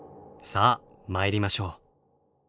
さあ参りましょう。